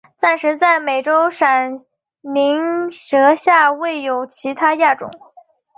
暂时在美洲闪鳞蛇下未有其它亚种。